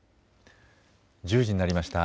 １０時になりました。